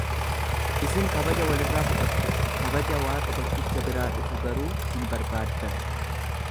Isin kabaja walirraa fudhattu, kabaja Waaqa tokkicha biraa dhufu garuu hin barbaaddan.